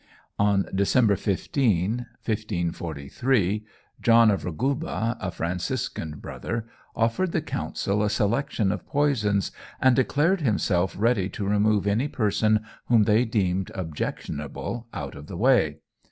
On December 15, 1543, John of Raguba, a Franciscan brother, offered the Council a selection of poisons, and declared himself ready to remove any person whom they deemed objectionable out of the way.